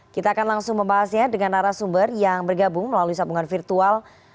kita akan langsung membahasnya dengan arah sumber yang bergabung melalui sambungan virtual